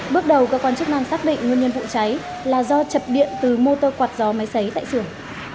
bước đầu cơ quan chức năng xác định nguyên nhân vụ cháy là do chập điện từ motor quạt gió máy xấy tại xưởng